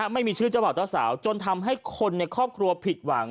ไม่มีชื่อเจ้าบ่าวเจ้าสาวจนทำให้คนในครอบครัวผิดหวัง